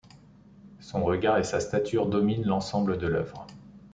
Son regard et sa stature dominent l'ensemble de l'œuvre.